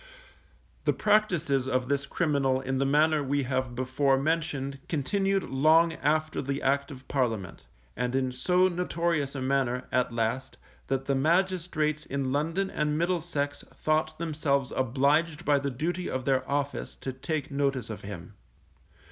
The practices of this criminal in the manner we have before mentioned continued long after the Act of Parliament; and in so notorious a manner, at last, that the magistrates in London and Middlesex thought themselves obliged by the duty of their office to take notice of him.